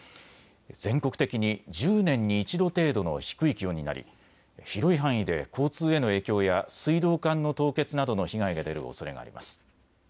全国的に１０年に一度程度の低い気温になり広い範囲で交通への影響や水道管の凍結などの被害が出るおそれがあります。